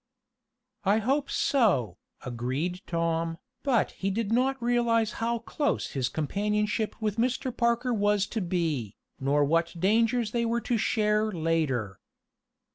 "I hope so," agreed Tom, but he did not realize then how close his companionship with Mr. Parker was to be, nor what dangers they were to share later.